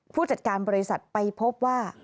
ผู้จัดการบริษัทไปพบว่า